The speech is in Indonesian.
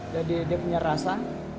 jadi dia punya rasa